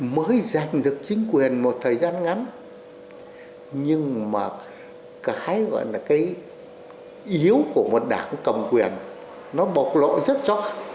mới giành được chính quyền một thời gian ngắn nhưng mà cái yếu của một đảng cầm quyền nó bộc lộ rất rõ